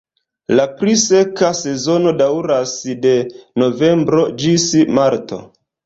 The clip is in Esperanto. La pli seka sezono daŭras de novembro ĝis marto.